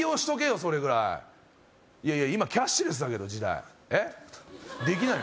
それぐらいいやいや今キャッシュレスだけど時代ダメだできないの？